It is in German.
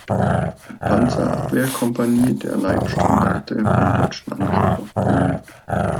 Panzerabwehr-Kompanie der Leibstandarte beim deutschen Angriff auf Polen.